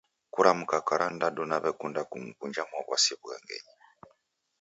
kuramuka karandadu nawekunda kuw'unja Mwawasi w'ughangenyi.